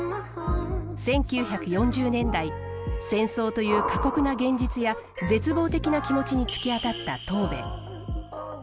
１９４０年代戦争という過酷な現実や絶望的な気持ちに突き当たったトーベ。